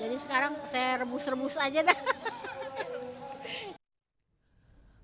jadi sekarang saya rebus rebus aja dah